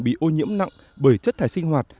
bị ô nhiễm nặng bởi chất thải sinh hoạt